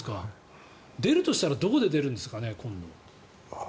出るとしたら今後、どこで出るんですかね。